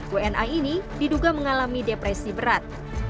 wna ini diduga mengalami depresi berat